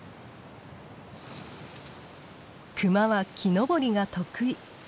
クマは木登りが得意。